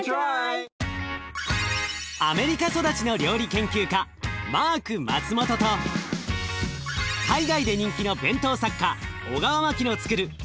アメリカ育ちの料理研究家マーク・マツモトと海外で人気の弁当作家小川真樹のつくる